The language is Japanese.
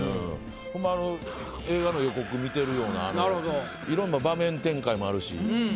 ホンマ映画の予告見てるようないろんな場面展開もあるし